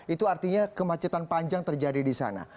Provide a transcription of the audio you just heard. itu artinya kemacetan panjang terjadi di sana